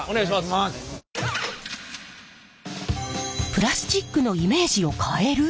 プラスチックのイメージを変える？